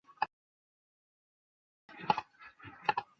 中国铁路工程集团的前身是铁道部基本建设总局。